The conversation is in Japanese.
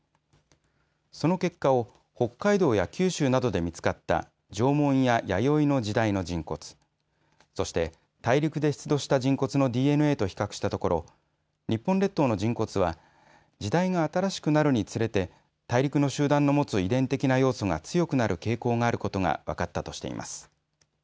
その結果を北海道や九州などで見つかった縄文や弥生の時代の人骨、そして大陸で出土した人骨のＤＮＡと比較したところ日本列島の人骨は時代が新しくなるにつれて大陸の集団の持つ遺伝的な要素が強くなる傾向があることが分かったとしています。